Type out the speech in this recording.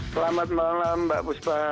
selamat malam mbak buspa